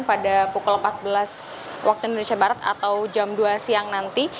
pada pukul empat belas waktu indonesia barat atau jam dua siang nanti